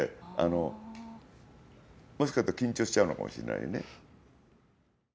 もしかすると緊張しちゃうのかもしれないね。